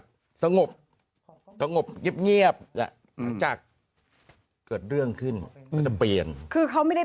พลิกต๊อกเต็มเสนอหมดเลยพลิกต๊อกเต็มเสนอหมดเลย